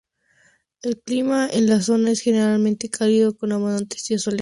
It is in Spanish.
El clima en la zona es generalmente cálido, con abundantes días soleados.